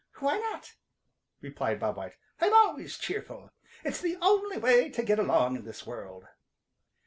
"Why not?" replied Bob White. "I'm always cheerful. It's the only way to get along in this world."